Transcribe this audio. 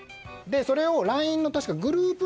それをＬＩＮＥのグループ